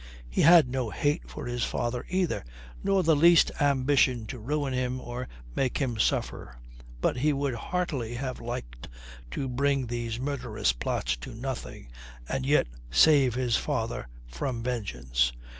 He had no hate for his father either, not the least ambition to ruin him or make him suffer. But he would heartily have liked to bring these murderous plots to nothing and yet save his father from vengeance.